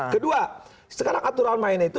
kedua sekarang aturan main itu